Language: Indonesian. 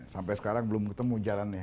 sampai sekarang belum ketemu jalannya